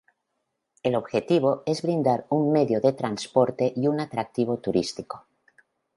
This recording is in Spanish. El objetivo es brindar un medio de transporte y un atractivo turístico.